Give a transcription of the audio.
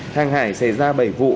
thang hải xảy ra bảy vụ